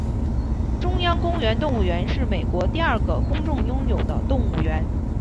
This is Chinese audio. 中央公园动物园是美国第二个公众拥有的动物园。